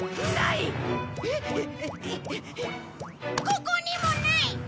ここにもない！